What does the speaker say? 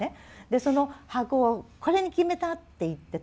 その箱を「これに決めた」って言って取るでしょ。